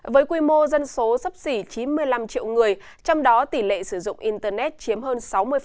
với quy mô dân số sắp xỉ chín mươi năm triệu người trong đó tỷ lệ sử dụng internet chiếm hơn sáu mươi